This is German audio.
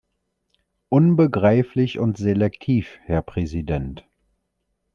Unbegreiflich und selektiv, Herr Präsident.